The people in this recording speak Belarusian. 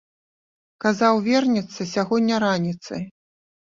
Казаў, вернецца сягоння раніцай.